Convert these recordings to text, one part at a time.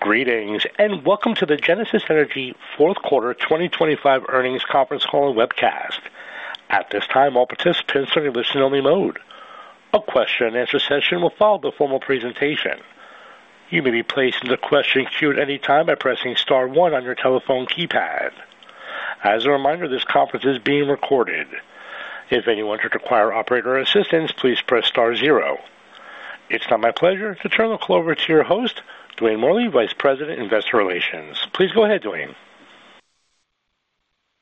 Greetings, and welcome to the Genesis Energy fourth quarter 2025 earnings conference call and webcast. At this time, all participants are in listen-only mode. A question and answer session will follow the formal presentation. You may be placed in the question queue at any time by pressing star one on your telephone keypad. As a reminder, this conference is being recorded. If anyone should require operator assistance, please press star zero. It's now my pleasure to turn the call over to your host, Dwayne Morley, Vice President, Investor Relations. Please go ahead, Dwayne.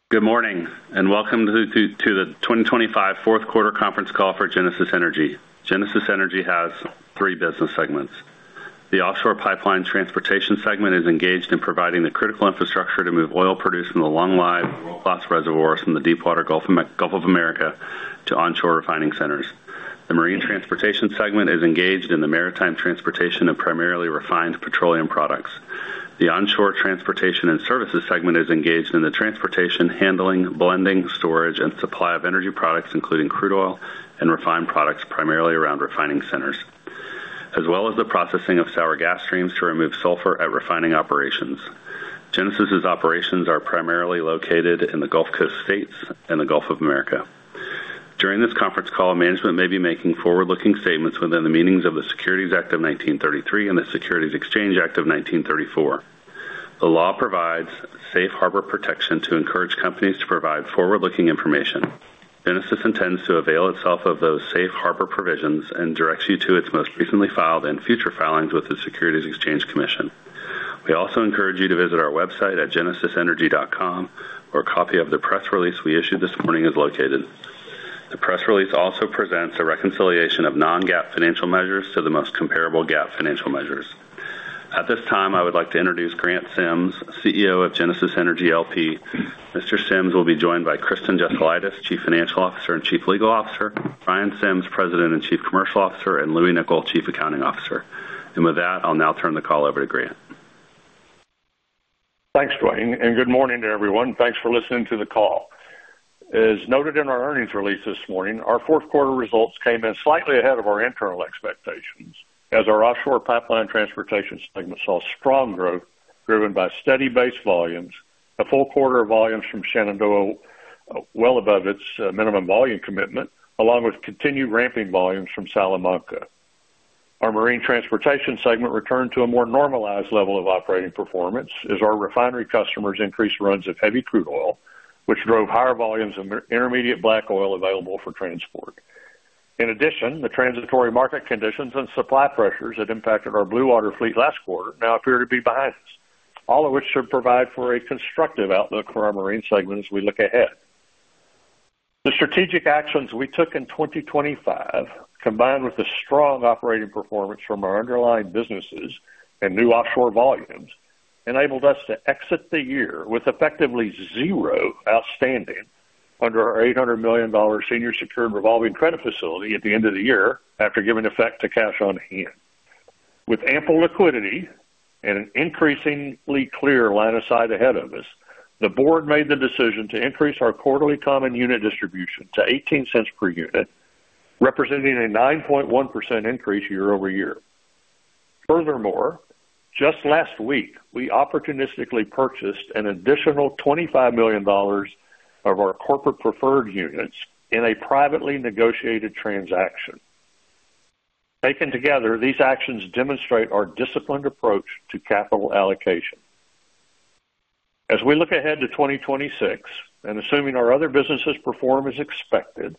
Good morning, and welcome to the 2025 fourth quarter conference call for Genesis Energy. Genesis Energy has three business segments. The offshore pipeline transportation segment is engaged in providing the critical infrastructure to move oil produced from the long-lived world-class reservoirs from the deepwater Gulf of America to onshore refining centers. The marine transportation segment is engaged in the maritime transportation of primarily refined petroleum products. The onshore transportation and services segment is engaged in the transportation, handling, blending, storage, and supply of energy products, including crude oil and refined products, primarily around refining centers, as well as the processing of sour gas streams to remove sulfur at refining operations. Genesis's operations are primarily located in the Gulf Coast states and the Gulf of America. During this conference call, management may be making forward-looking statements within the meanings of the Securities Act of 1933 and the Securities Exchange Act of 1934. The law provides safe harbor protection to encourage companies to provide forward-looking information. Genesis intends to avail itself of those safe harbor provisions and directs you to its most recently filed and future filings with the Securities and Exchange Commission. We also encourage you to visit our website at genesisenergy.com, where a copy of the press release we issued this morning is located. The press release also presents a reconciliation of non-GAAP financial measures to the most comparable GAAP financial measures. At this time, I would like to introduce Grant Sims, CEO of Genesis Energy LP. Mr. Sims will be joined by Kristen Jesulaitis, Chief Financial Officer and Chief Legal Officer, Ryan Sims, President and Chief Commercial Officer, and Louie Nicol, Chief Accounting Officer. And with that, I'll now turn the call over to Grant. Thanks, Dwayne, and good morning to everyone. Thanks for listening to the call. As noted in our earnings release this morning, our fourth quarter results came in slightly ahead of our internal expectations as our offshore pipeline transportation segment saw strong growth driven by steady base volumes, a full quarter of volumes from Shenandoah well above its minimum volume commitment, along with continued ramping volumes from Salamanca. Our marine transportation segment returned to a more normalized level of operating performance as our refinery customers increased runs of heavy crude oil, which drove higher volumes of intermediate black oil available for transport. In addition, the transitory market conditions and supply pressures that impacted our blue water fleet last quarter now appear to be behind us, all of which should provide for a constructive outlook for our marine segment as we look ahead. The strategic actions we took in 2025, combined with the strong operating performance from our underlying businesses and new offshore volumes, enabled us to exit the year with effectively zero outstanding under our $800 million senior secured revolving credit facility at the end of the year, after giving effect to cash on hand. With ample liquidity and an increasingly clear line of sight ahead of us, the board made the decision to increase our quarterly common unit distribution to $0.18 per unit, representing a 9.1% increase year-over-year. Furthermore, just last week, we opportunistically purchased an additional $25 million of our corporate preferred units in a privately negotiated transaction. Taken together, these actions demonstrate our disciplined approach to capital allocation. As we look ahead to 2026, and assuming our other businesses perform as expected,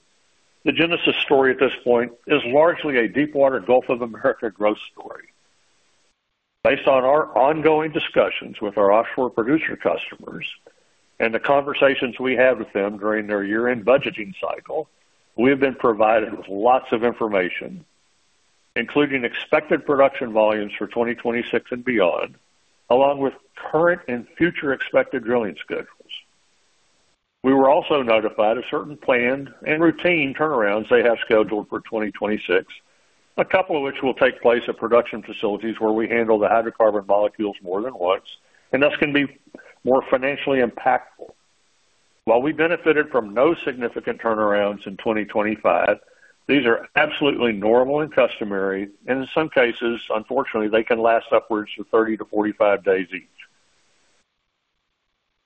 the Genesis story at this point is largely a deepwater Gulf of America growth story. Based on our ongoing discussions with our offshore producer customers and the conversations we had with them during their year-end budgeting cycle, we have been provided with lots of information, including expected production volumes for 2026 and beyond, along with current and future expected drilling schedules. We were also notified of certain planned and routine turnarounds they have scheduled for 2026, a couple of which will take place at production facilities where we handle the hydrocarbon molecules more than once, and thus can be more financially impactful. While we benefited from no significant turnarounds in 2025, these are absolutely normal and customary, and in some cases, unfortunately, they can last upwards of 30-45 days each.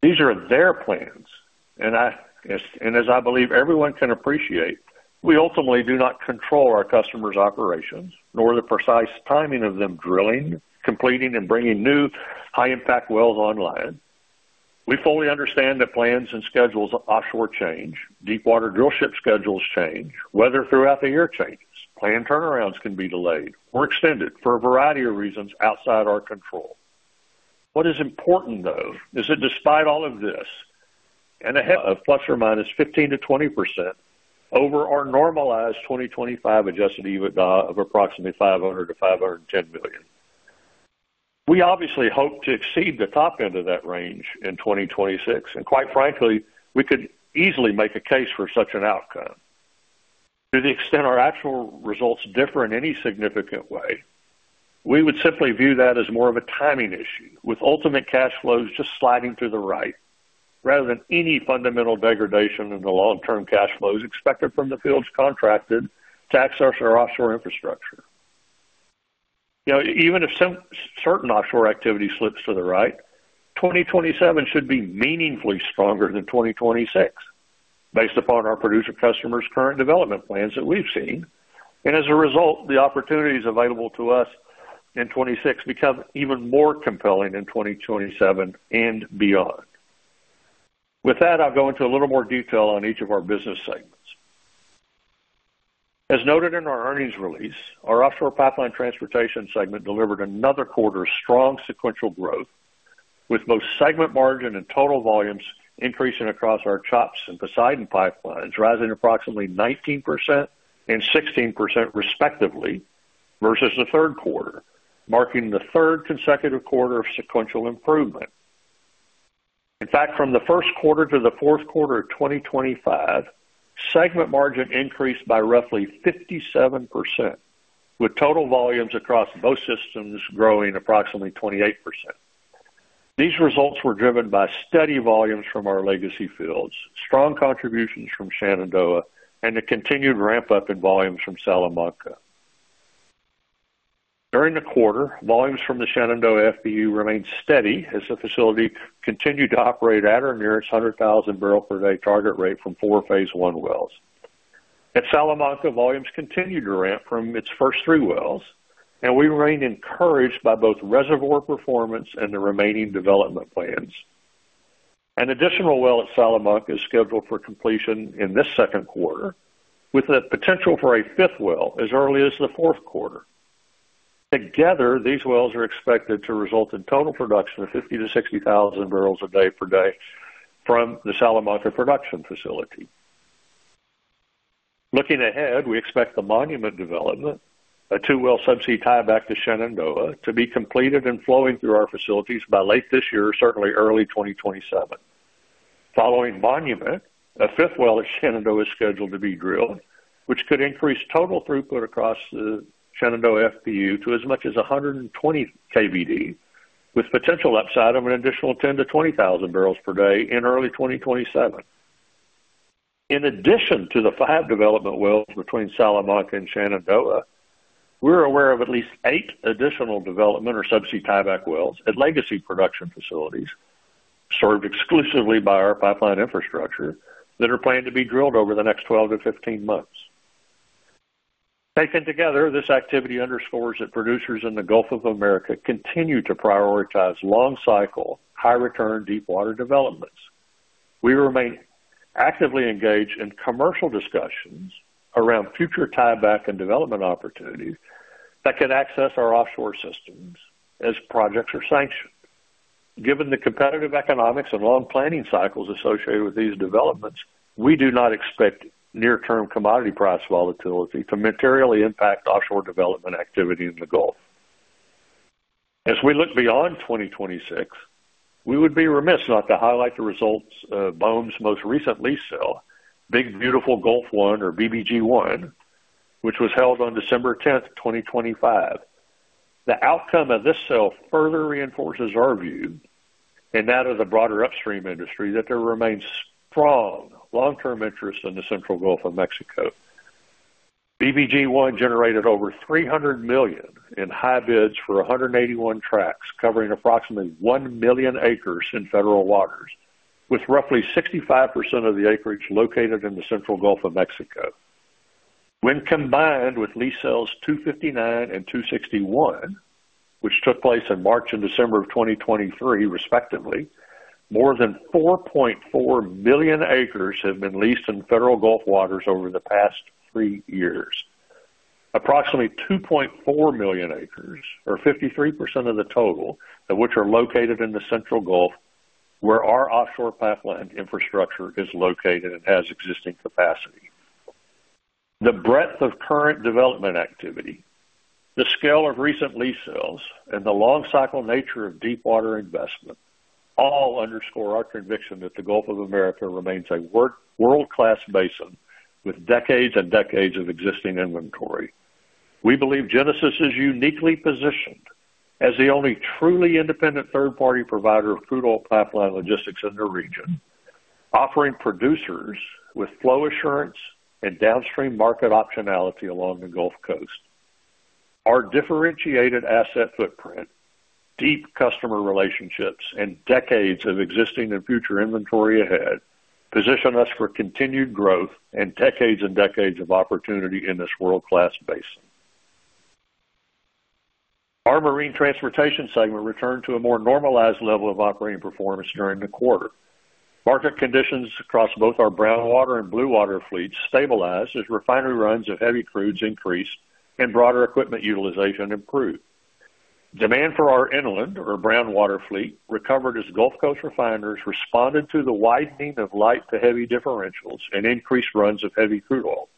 These are their plans, and I, as I believe everyone can appreciate, we ultimately do not control our customers' operations, nor the precise timing of them drilling, completing, and bringing new high-impact wells online. We fully understand that plans and schedules offshore change, deepwater drill ship schedules change, weather throughout the year changes, planned turnarounds can be delayed or extended for a variety of reasons outside our control. What is important, though, is that despite all of this, plus or minus 15%-20% over our normalized 2025 adjusted EBITDA of approximately $500 million-$510 million. We obviously hope to exceed the top end of that range in 2026, and quite frankly, we could easily make a case for such an outcome. To the extent our actual results differ in any significant way, we would simply view that as more of a timing issue, with ultimate cash flows just sliding to the right... rather than any fundamental degradation in the long-term cash flows expected from the fields contracted to access our offshore infrastructure. You know, even if certain offshore activity slips to the right, 2027 should be meaningfully stronger than 2026, based upon our producer customers' current development plans that we've seen. And as a result, the opportunities available to us in 2026 become even more compelling in 2027 and beyond. With that, I'll go into a little more detail on each of our business segments. As noted in our earnings release, our offshore pipeline transportation segment delivered another quarter of strong sequential growth, with both Segment Margin and total volumes increasing across our CHOPS and Poseidon pipelines, rising approximately 19% and 16%, respectively, versus the third quarter, marking the third consecutive quarter of sequential improvement. In fact, from the first quarter to the fourth quarter of 2025, Segment Margin increased by roughly 57%, with total volumes across both systems growing approximately 28%. These results were driven by steady volumes from our legacy fields, strong contributions from Shenandoah, and a continued ramp-up in volumes from Salamanca. During the quarter, volumes from the Shenandoah FPU remained steady as the facility continued to operate at or near its 100,000 barrels per day target rate from four phase one wells. At Salamanca, volumes continued to ramp from its first three wells, and we remain encouraged by both reservoir performance and the remaining development plans. An additional well at Salamanca is scheduled for completion in this second quarter, with the potential for a fifth well as early as the fourth quarter. Together, these wells are expected to result in total production of 50,000-60,000 barrels a day per day from the Salamanca production facility. Looking ahead, we expect the Monument development, a two-well subsea tieback to Shenandoah, to be completed and flowing through our facilities by late this year, certainly early 2027. Following Monument, a fifth well at Shenandoah is scheduled to be drilled, which could increase total throughput across the Shenandoah FPU to as much as 120 KBD, with potential upside of an additional 10,000-20,000 barrels per day in early 2027. In addition to the five development wells between Salamanca and Shenandoah, we're aware of at least eight additional development or subsea tieback wells at legacy production facilities, served exclusively by our pipeline infrastructure, that are planned to be drilled over the next 12-15 months. Taken together, this activity underscores that producers in the Gulf of America continue to prioritize long cycle, high return deepwater developments. We remain actively engaged in commercial discussions around future tieback and development opportunities that can access our offshore systems as projects are sanctioned. Given the competitive economics and long planning cycles associated with these developments, we do not expect near-term commodity price volatility to materially impact offshore development activity in the Gulf. As we look beyond 2026, we would be remiss not to highlight the results of BOEM's most recent lease sale, Big Beautiful Gulf 1 or BBG 1, which was held on December 10, 2025. The outcome of this sale further reinforces our view, and that of the broader upstream industry, that there remains strong long-term interest in the Central Gulf of Mexico. BBG 1 generated over $300 million in high bids for 181 tracts, covering approximately 1 million acres in federal waters, with roughly 65% of the acreage located in the Central Gulf of Mexico. When combined with lease sales 259 and 261, which took place in March and December of 2023, respectively, more than 4.4 million acres have been leased in federal Gulf waters over the past three years. Approximately 2.4 million acres, or 53% of the total, of which are located in the Central Gulf, where our offshore pipeline infrastructure is located and has existing capacity. The breadth of current development activity, the scale of recent lease sales, and the long cycle nature of deepwater investment all underscore our conviction that the Gulf of America remains a world-class basin with decades and decades of existing inventory. We believe Genesis is uniquely positioned as the only truly independent third-party provider of crude oil pipeline logistics in the region, offering producers with flow assurance and downstream market optionality along the Gulf Coast. Our differentiated asset footprint, deep customer relationships, and decades of existing and future inventory ahead position us for continued growth and decades and decades of opportunity in this world-class basin. Our marine transportation segment returned to a more normalized level of operating performance during the quarter. Market conditions across both our brown water and blue water fleets stabilized as refinery runs of heavy crudes increased and broader equipment utilization improved. Demand for our inland, or brown water fleet, recovered as Gulf Coast refiners responded to the widening of light to heavy differentials and increased runs of heavy crude oil,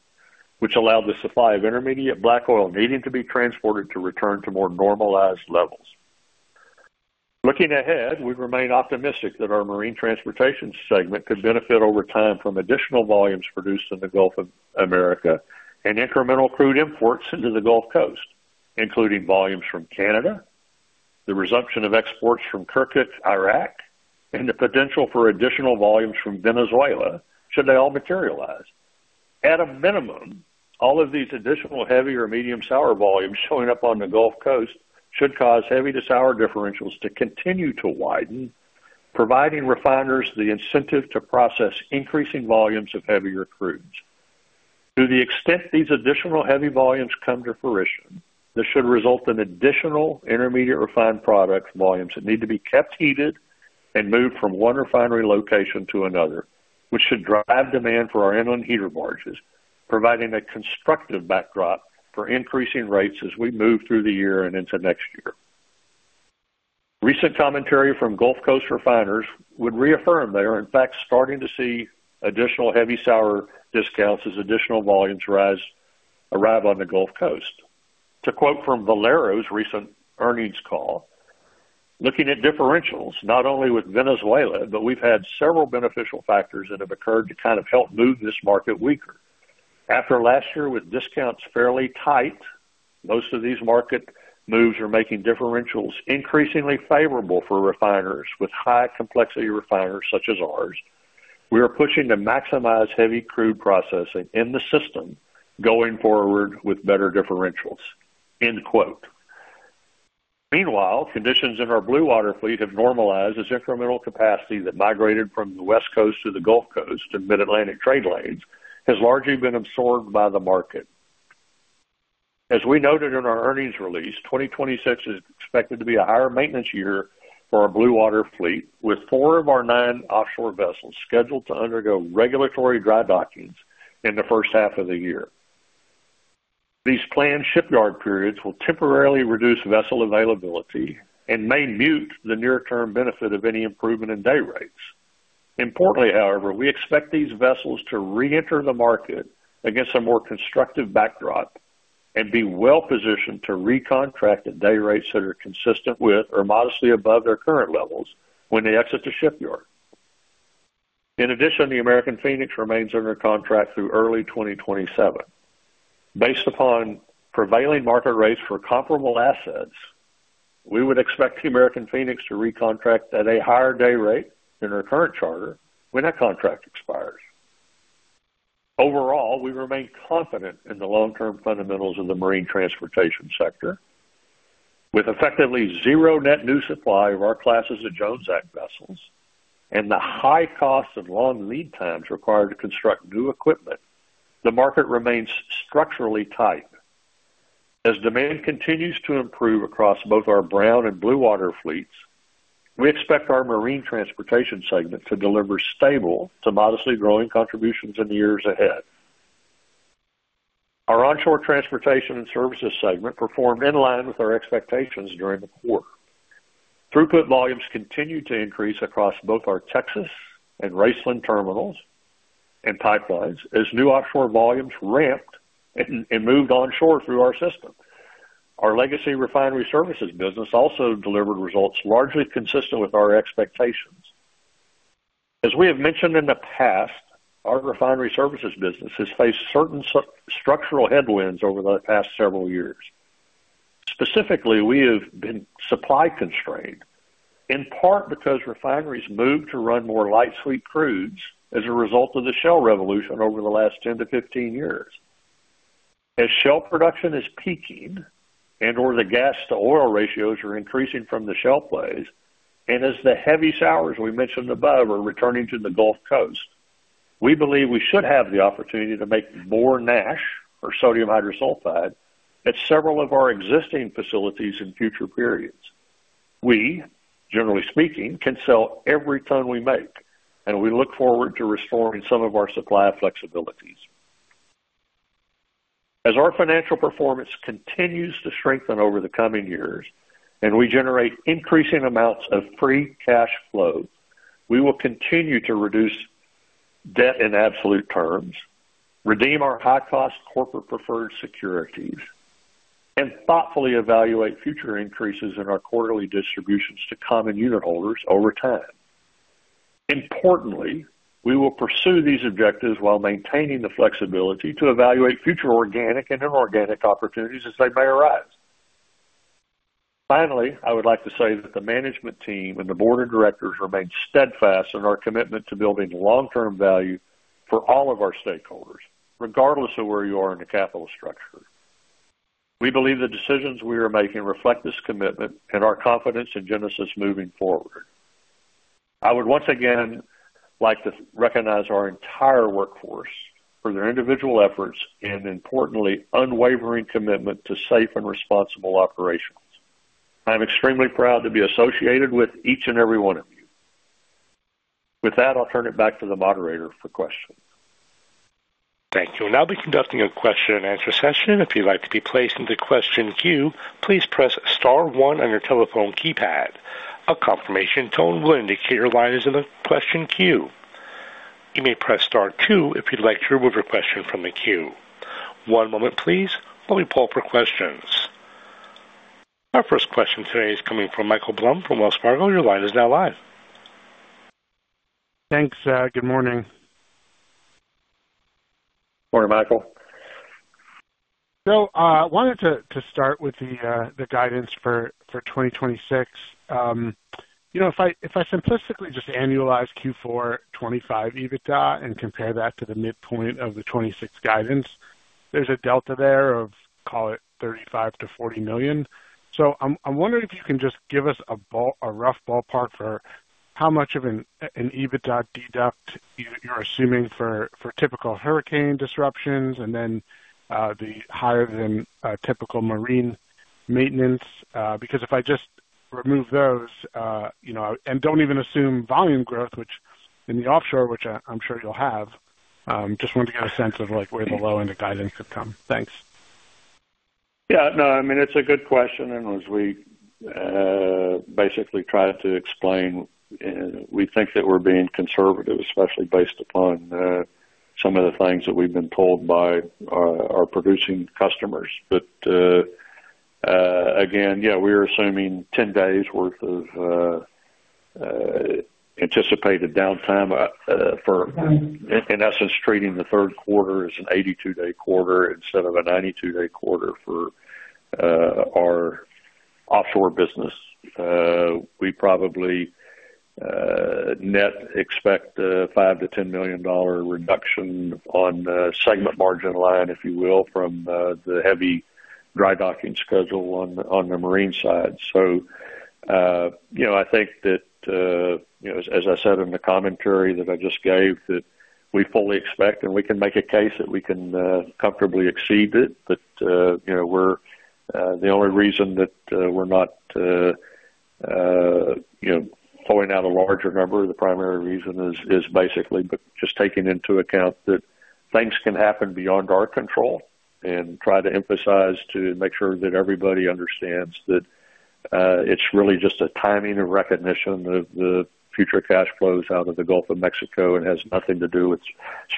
which allowed the supply of intermediate black oil needing to be transported to return to more normalized levels. Looking ahead, we remain optimistic that our marine transportation segment could benefit over time from additional volumes produced in the Gulf of America and incremental crude imports into the Gulf Coast.... including volumes from Canada, the resumption of exports from Kirkuk, Iraq, and the potential for additional volumes from Venezuela, should they all materialize. At a minimum, all of these additional heavy or medium sour volumes showing up on the Gulf Coast should cause heavy to sour differentials to continue to widen, providing refiners the incentive to process increasing volumes of heavier crudes. To the extent these additional heavy volumes come to fruition, this should result in additional intermediate refined product volumes that need to be kept heated and moved from one refinery location to another, which should drive demand for our inland heater barges, providing a constructive backdrop for increasing rates as we move through the year and into next year. Recent commentary from Gulf Coast refiners would reaffirm they are, in fact, starting to see additional heavy sour discounts as additional volumes arrive on the Gulf Coast. To quote from Valero's recent earnings call, "Looking at differentials, not only with Venezuela, but we've had several beneficial factors that have occurred to kind of help move this market weaker. After last year, with discounts fairly tight, most of these market moves are making differentials increasingly favorable for refiners. With high complexity refiners such as ours, we are pushing to maximize heavy crude processing in the system going forward with better differentials." End quote. Meanwhile, conditions in our bue water fleet have normalized as incremental capacity that migrated from the West Coast to the Gulf Coast and Mid-Atlantic trade lanes has largely been absorbed by the market. As we noted in our earnings release, 2026 is expected to be a higher maintenance year for our blue water fleet, with four of our nine offshore vessels scheduled to undergo regulatory dry-dockings in the first half of the year. These planned shipyard periods will temporarily reduce vessel availability and may mute the near-term benefit of any improvement in dayrates. Importantly, however, we expect these vessels to reenter the market against a more constructive backdrop and be well-positioned to recontract at dayrates that are consistent with or modestly above their current levels when they exit the shipyard. In addition, the American Phoenix remains under contract through early 2027. Based upon prevailing market rates for comparable assets, we would expect the American Phoenix to recontract at a higher day rate than her current charter when that contract expires. Overall, we remain confident in the long-term fundamentals of the marine transportation sector. With effectively zero net new supply of our classes of Jones Act vessels and the high costs and long lead times required to construct new equipment, the market remains structurally tight. As demand continues to improve across both our brown water fleet and blue water fleet, we expect our marine transportation segment to deliver stable to modestly growing contributions in the years ahead. Our onshore transportation and services segment performed in line with our expectations during the quarter. Throughput volumes continued to increase across both our Texas and Raceland terminals and pipelines as new offshore volumes ramped and moved onshore through our system. Our legacy refinery services business also delivered results largely consistent with our expectations. As we have mentioned in the past, our refinery services business has faced certain structural headwinds over the past several years. Specifically, we have been supply constrained, in part because refineries moved to run more light sweet crudes as a result of the shale revolution over the last 10-15 years. As shale production is peaking and/or the gas-to-oil ratios are increasing from the shale plays, and as the heavy sours we mentioned above are returning to the Gulf Coast, we believe we should have the opportunity to make more NaHS, or sodium hydrosulfide, at several of our existing facilities in future periods. We, generally speaking, can sell every ton we make, and we look forward to restoring some of our supply flexibilities. As our financial performance continues to strengthen over the coming years and we generate increasing amounts of free cash flow, we will continue to reduce debt in absolute terms, redeem our high-cost corporate preferred securities, and thoughtfully evaluate future increases in our quarterly distributions to common unit holders over time. Importantly, we will pursue these objectives while maintaining the flexibility to evaluate future organic and inorganic opportunities as they may arise. Finally, I would like to say that the management team and the board of directors remain steadfast in our commitment to building long-term value for all of our stakeholders, regardless of where you are in the capital structure. We believe the decisions we are making reflect this commitment and our confidence in Genesis moving forward. I would once again like to recognize our entire workforce for their individual efforts and, importantly, unwavering commitment to safe and responsible operations. I'm extremely proud to be associated with each and every one of you. With that, I'll turn it back to the moderator for questions. Thank you. We'll now be conducting a question-and-answer session. If you'd like to be placed into the question queue, please press star one on your telephone keypad. A confirmation tone will indicate your line is in the question queue. You may press star two if you'd like to remove your question from the queue. One moment please while we poll for questions. Our first question today is coming from Michael Blum, from Wells Fargo. Your line is now live. Thanks, good morning. Morning, Michael. I wanted to start with the guidance for 2026. You know, if I simplistically just annualize Q4 2025 EBITDA and compare that to the midpoint of the 2026 guidance, there's a delta there of, call it $35 million-$40 million. So I'm wondering if you can just give us a rough ballpark for how much of an EBITDA deduct you're assuming for typical hurricane disruptions, and then the higher than typical marine maintenance. Because if I just remove those, you know, and don't even assume volume growth, which in the offshore, I'm sure you'll have, just wanted to get a sense of, like, where the low end of guidance could come. Thanks. Yeah, no, I mean, it's a good question, and as we basically try to explain, we think that we're being conservative, especially based upon some of the things that we've been told by our producing customers. But again, yeah, we're assuming 10 days' worth of anticipated downtime for in essence, treating the third quarter as an 82-day quarter instead of a 92-day quarter for our offshore business. We probably net expect a $5 million-$10 million reduction on the Segment Margin line, if you will, from the heavy dry-docking schedule on the marine side. So, you know, I think that you know, as I said in the commentary that I just gave, that we fully expect, and we can make a case that we can comfortably exceed it. But, you know, we're the only reason that we're not, you know, pulling out a larger number. The primary reason is basically but just taking into account that things can happen beyond our control, and try to emphasize to make sure that everybody understands that it's really just a timing and recognition of the future cash flows out of the Gulf of Mexico and has nothing to do with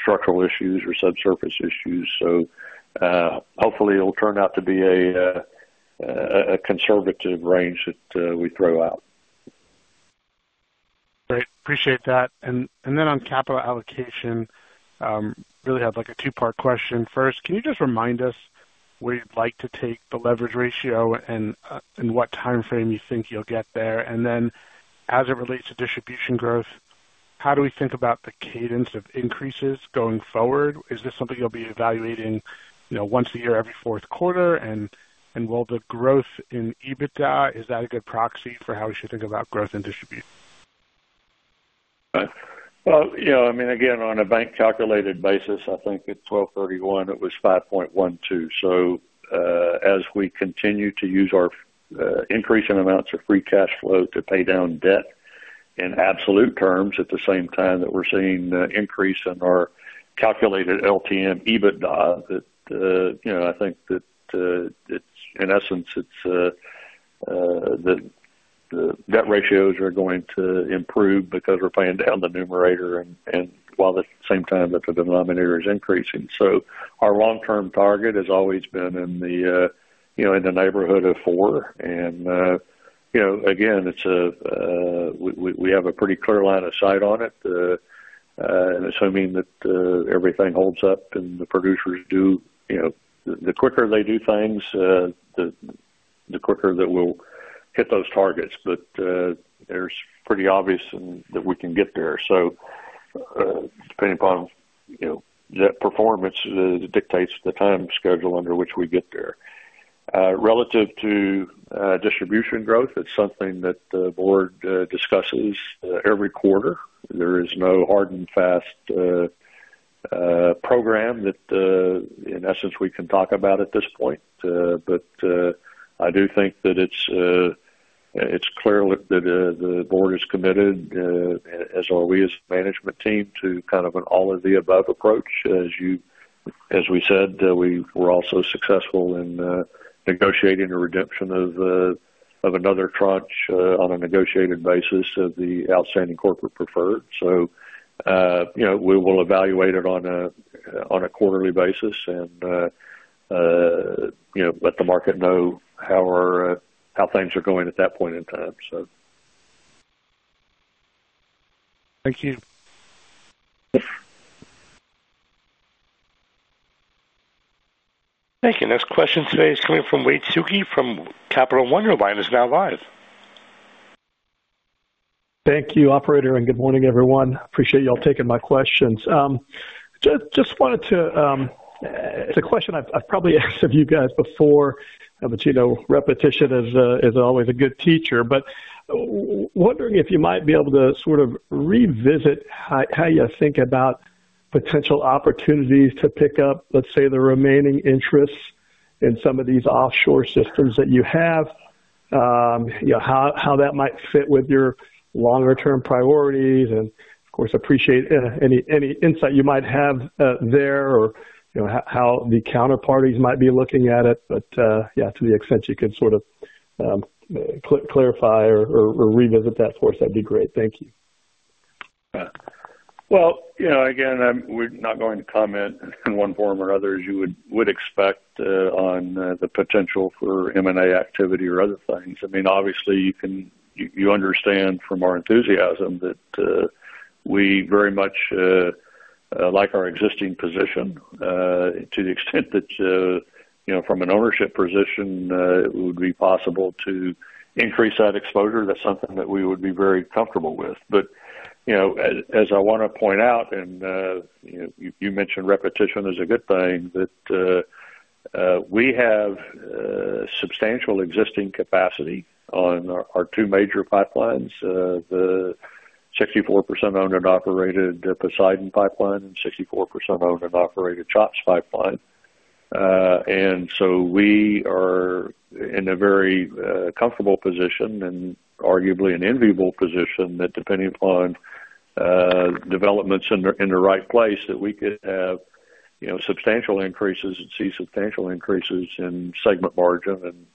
structural issues or subsurface issues. So, hopefully it'll turn out to be a conservative range that we throw out. Great. Appreciate that. And then on capital allocation, really have, like, a two-part question. First, can you just remind us where you'd like to take the leverage ratio and what timeframe you think you'll get there? And then as it relates to distribution growth, how do we think about the cadence of increases going forward? Is this something you'll be evaluating, you know, once a year, every fourth quarter? And will the growth in EBITDA, is that a good proxy for how we should think about growth and distribution? Well, you know, I mean, again, on a bank-calculated basis, I think at 12/31, it was 5.12. So, as we continue to use our increasing amounts of free cash flow to pay down debt in absolute terms, at the same time that we're seeing an increase in our calculated LTM EBITDA, that, you know, I think that it's in essence, it's the debt ratios are going to improve because we're paying down the numerator and, and while at the same time that the denominator is increasing. So our long-term target has always been in the, you know, in the neighborhood of 4. You know, again, we have a pretty clear line of sight on it, and assuming that everything holds up and the producers do, you know, the quicker they do things, the quicker that we'll hit those targets. But it's pretty obvious and that we can get there. So, depending upon, you know, that performance dictates the time schedule under which we get there. Relative to distribution growth, it's something that the board discusses every quarter. There is no hard and fast program that, in essence, we can talk about at this point. But I do think that it's clear that the board is committed, as are we as a management team, to kind of an all-of-the-above approach. As we said, we were also successful in negotiating the redemption of another tranche on a negotiated basis of the outstanding corporate preferred. So, you know, we will evaluate it on a quarterly basis and, you know, let the market know how things are going at that point in time, so. Thank you. Sure. Thank you. Next question today is coming from Wade Suki from Capital One. Your line is now live. Thank you, operator, and good morning, everyone. Appreciate you all taking my questions. Just wanted to... It's a question I've probably asked of you guys before, but you know, repetition is always a good teacher. But wondering if you might be able to sort of revisit how you think about potential opportunities to pick up, let's say, the remaining interests in some of these offshore systems that you have. You know, how that might fit with your longer-term priorities? And, of course, appreciate any insight you might have there or, you know, how the counterparties might be looking at it. But yeah, to the extent you could sort of clarify or revisit that for us, that'd be great. Thank you. Yeah. Well, you know, again, we're not going to comment in one form or another, as you would expect, on the potential for M&A activity or other things. I mean, obviously, you can... You understand from our enthusiasm that we very much like our existing position, to the extent that, you know, from an ownership position, it would be possible to increase that exposure, that's something that we would be very comfortable with. But, you know, as I want to point out, and you know, you mentioned repetition is a good thing, that we have substantial existing capacity on our two major pipelines, the 64% owned and operated Poseidon pipeline, and 64% owned and operated CHOPS pipeline. And so we are in a very comfortable position and arguably an enviable position, that depending upon developments in the right place, that we could have, you know, substantial increases and see substantial increases in Segment Margin and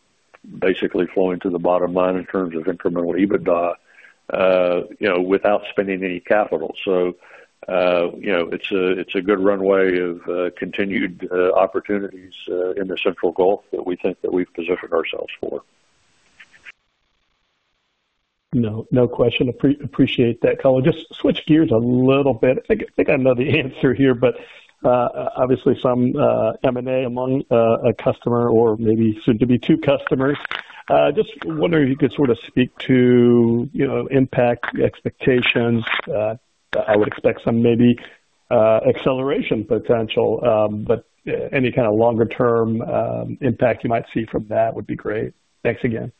basically flowing to the bottom line in terms of incremental EBITDA, you know, without spending any capital. So, you know, it's a good runway of continued opportunities in the Central Gulf that we think that we've positioned ourselves for. No question. Appreciate that, color. Just switch gears a little bit. I think I know the answer here, but obviously some M&A among a customer or maybe soon to be two customers. Just wondering if you could sort of speak to, you know, impact expectations. I would expect some maybe acceleration potential, but any kind of longer-term impact you might see from that would be great. Thanks again.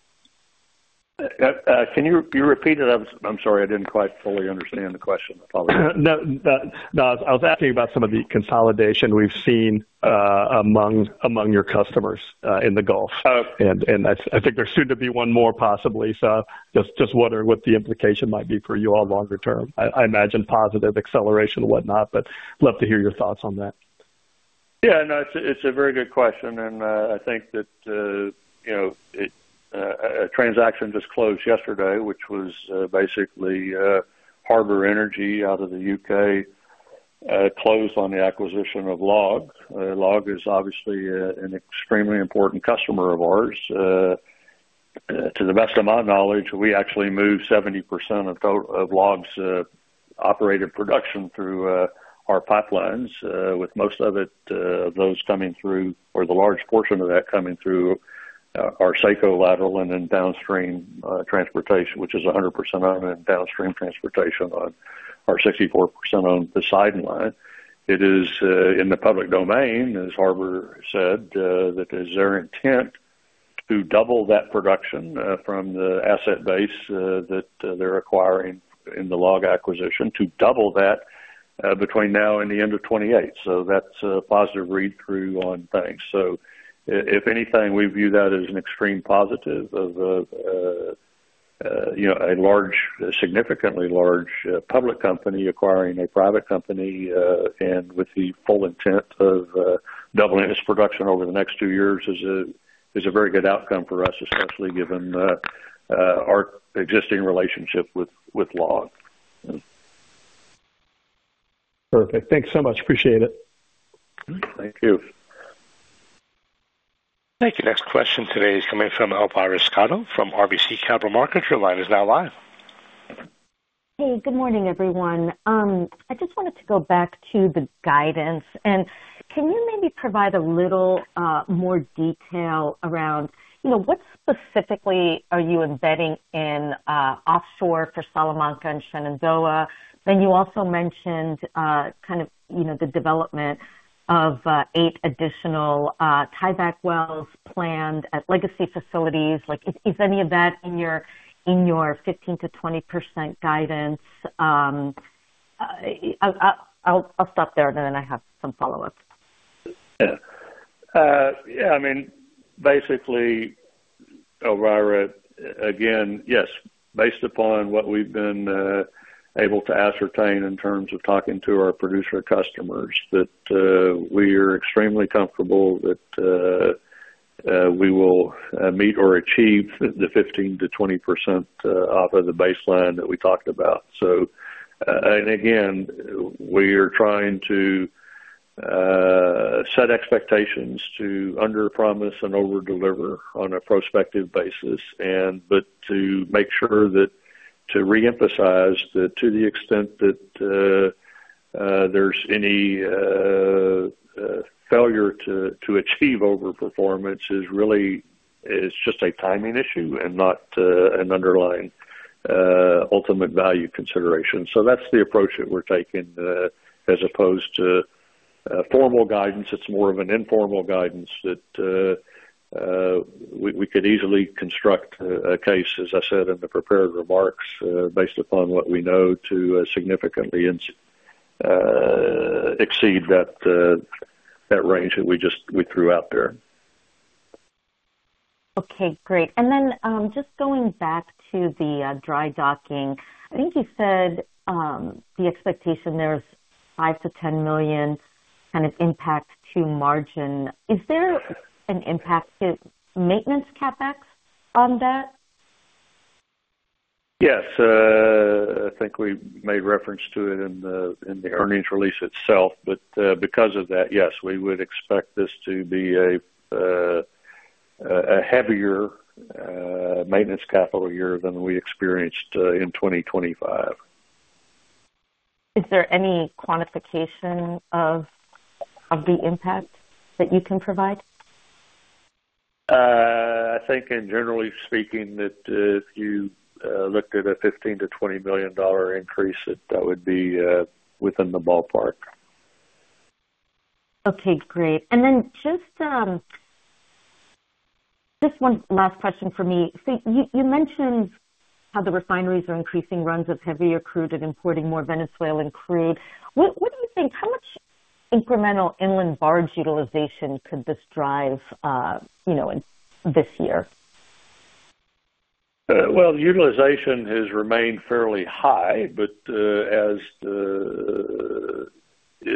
Can you repeat it? I'm, I'm sorry, I didn't quite fully understand the question. Apologies. No, no, I was asking about some of the consolidation we've seen among your customers in the Gulf. Oh. I think there's soon to be one more possibly. So just wondering what the implication might be for you all longer term. I imagine positive acceleration and whatnot, but love to hear your thoughts on that. Yeah, no, it's a very good question, and I think that you know, a transaction just closed yesterday, which was basically Harbour Energy out of the U.K. closed on the acquisition of LLOG. LLOG is obviously an extremely important customer of ours. To the best of my knowledge, we actually move 70% of LLOG's operated production through our pipelines, with most of it those coming through, or the large portion of that coming through our SEKCO lateral and then downstream transportation, which is 100% owned and downstream transportation on our 64% owned Poseidon line. It is in the public domain, as Harbour said, that it is their intent to double that production from the asset base that they're acquiring in the LLOG acquisition, to double that, between now and the end of 2028. So that's a positive read through on things. So if anything, we view that as an extreme positive of, you know, a large, significantly large, public company acquiring a private company, and with the full intent of doubling its production over the next two years is a very good outcome for us, especially given our existing relationship with LLOG. Perfect. Thanks so much. Appreciate it. Thank you. Thank you. Next question today is coming from Elvira Scotto from RBC Capital Markets. Your line is now live. Hey, good morning, everyone. I just wanted to go back to the guidance, and can you maybe provide a little more detail around, you know, what specifically are you embedding in offshore for Salamanca and Shenandoah? Then you also mentioned kind of, you know, the development of eight additional tieback wells planned at legacy facilities. Like, is any of that in your 15%-20% guidance? I'll stop there, and then I have some follow-ups. Yeah. Yeah, I mean, basically, Elvira, again, yes, based upon what we've been able to ascertain in terms of talking to our producer customers, that we are extremely comfortable that we will meet or achieve the 15%-20% off of the baseline that we talked about. So, and again, we are trying to set expectations to underpromise and overdeliver on a prospective basis, and but to make sure that to reemphasize that to the extent that there's any failure to achieve overperformance is really, is just a timing issue and not an underlying ultimate value consideration. So that's the approach that we're taking. As opposed to formal guidance, it's more of an informal guidance that we could easily construct a case, as I said in the prepared remarks, based upon what we know, to significantly exceed that range that we just—we threw out there. Okay, great. And then, just going back to the dry-docking. I think you said the expectation there is $5 million-$10 million kind of impact to margin. Is there an impact to maintenance CapEx on that? Yes. I think we made reference to it in the earnings release itself. But, because of that, yes, we would expect this to be a heavier maintenance capital year than we experienced in 2025. Is there any quantification of the impact that you can provide? I think, generally speaking, that if you looked at a $15 million-$20 million increase, that that would be within the ballpark. Okay, great. And then just, just one last question for me. So you, you mentioned how the refineries are increasing runs of heavier crude and importing more Venezuelan crude. What, what do you think? How much incremental inland barge utilization could this drive, you know, in this year? Well, utilization has remained fairly high, but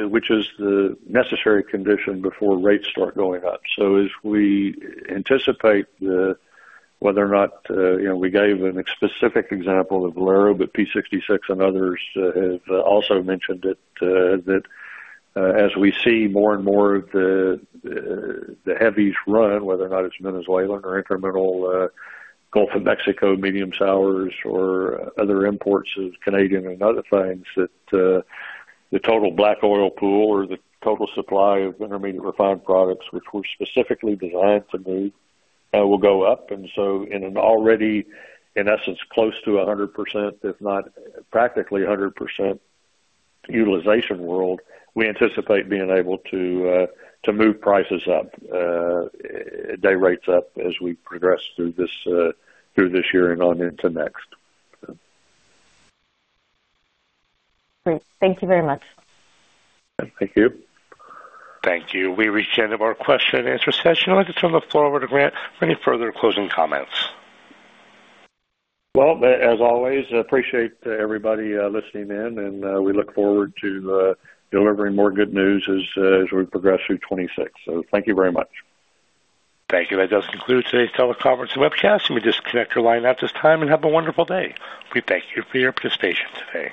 which is the necessary condition before rates start going up. So as we anticipate whether or not, you know, we gave a specific example of Valero, but P66 and others have also mentioned it, that as we see more and more of the heavies run, whether or not it's Venezuelan or incremental Gulf of Mexico medium sours or other imports of Canadian and other things, that the total black oil pool or the total supply of intermediate refined products, which were specifically designed to move, will go up. In an already, in essence, close to 100%, if not practically 100% utilization world, we anticipate being able to move prices up, day rates up as we progress through this year and on into next. Great. Thank you very much. Thank you. Thank you. We've reached the end of our question and answer session. I'd like to turn the floor over to Grant for any further closing comments. Well, as always, I appreciate everybody listening in, and we look forward to delivering more good news as we progress through 2026. So thank you very much. Thank you. That does conclude today's teleconference and webcast. Let me just disconnect your line at this time, and have a wonderful day. We thank you for your participation today.